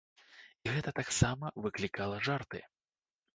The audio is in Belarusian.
І гэта таксама выклікала жарты.